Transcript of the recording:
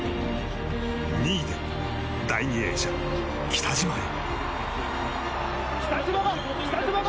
２位で第２泳者、北島へ。